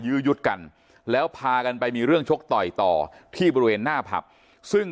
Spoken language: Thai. ื้อยุดกันแล้วพากันไปมีเรื่องชกต่อยต่อที่บริเวณหน้าผับซึ่ง